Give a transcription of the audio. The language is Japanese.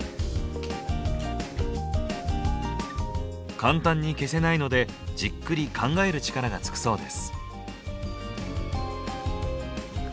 簡単に消せないのでじっくり考える力がつくそうです。